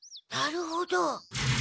なるほど。